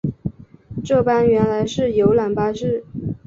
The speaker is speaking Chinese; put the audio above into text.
这班原来是游览巴士